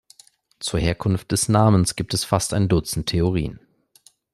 Zur Herkunft des Namens gibt es fast ein Dutzend Theorien.